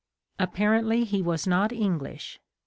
Apparently he was not English.